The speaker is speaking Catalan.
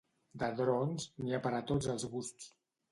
De drons, n’hi ha per a tots els gusts.